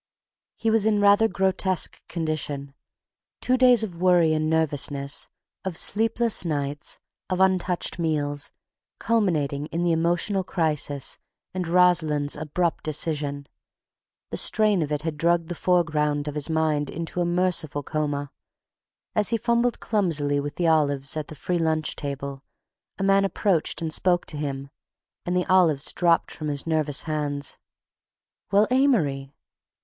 He was in rather grotesque condition: two days of worry and nervousness, of sleepless nights, of untouched meals, culminating in the emotional crisis and Rosalind's abrupt decision—the strain of it had drugged the foreground of his mind into a merciful coma. As he fumbled clumsily with the olives at the free lunch table, a man approached and spoke to him, and the olives dropped from his nervous hands. "Well, Amory..."